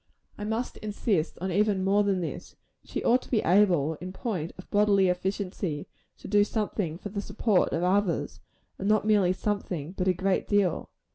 I must insist on even more than this. She ought to be able, in point of bodily efficiency, to do something for the support of others; and not merely something, but a great deal.